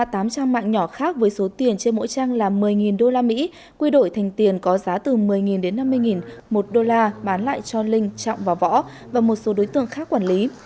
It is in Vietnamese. các trang mạng nhỏ khác với số tiền trên mỗi trang là một mươi usd quy đổi thành tiền có giá từ một mươi đến năm mươi một đô la bán lại cho linh trọng và võ và một số đối tượng khác quản lý